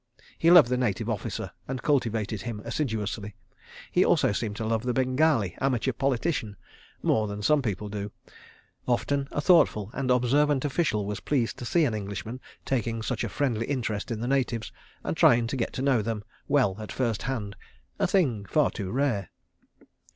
He loved the Native Officer and cultivated him assiduously. He also seemed to love the Bengali amateur politician, more than some people do. ... Often a thoughtful and observant official was pleased to see an Englishman taking such a friendly interest in the natives, and trying to get to know them well at first hand—a thing far too rare.